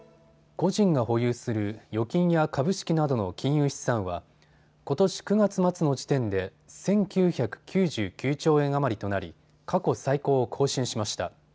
個人が保有する預金や株式などの金融資産はことし９月末の時点で１９９９兆円余りとなり過去最高を更新しました。